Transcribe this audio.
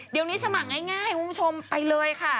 เดี๋ยวนี้สมัครง่ายคุณผู้ชมไปเลยค่ะ